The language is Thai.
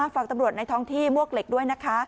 ฝากตำรวจในท้องที่มวกเหล็กด้วยนะคะ